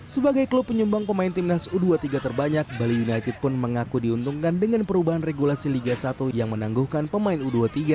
sebagai klub penyumbang pemain timnas u dua puluh tiga terbanyak bali united pun mengaku diuntungkan dengan perubahan regulasi liga satu yang menangguhkan pemain u dua puluh tiga